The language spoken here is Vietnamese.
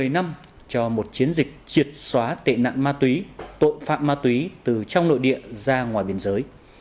một mươi năm cho một chiến dịch triệt xóa tệ nạn ma túy tội phạm ma túy từ trong nội địa ra ngoài biên giới